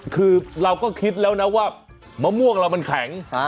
คือเราก็คิดแล้วนะว่ามะม่วงเรามันแข็ง